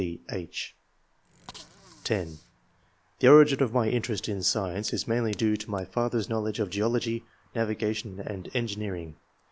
{d, h) (10) "The origin of my interest in science is mainly due to my father's knowledge of geology, navigation, and engineering.